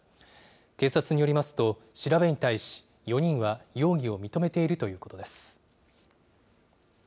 警察によりますと、調べに対し、４人は容疑を認めているということです。